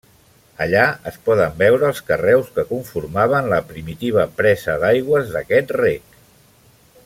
Allà es poden veure els carreus que conformaven la primitiva presa d'aigües d'aquest rec.